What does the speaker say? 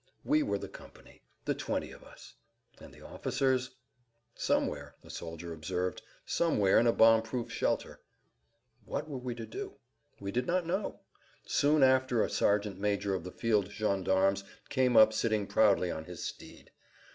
We were the company, the twenty of us. And the officers? "Somewhere," a soldier observed, "somewhere in a bomb proof shelter." What were we to do? We did not know. Soon after a sergeant major of the field gendarmes came up sitting proudly on his steed.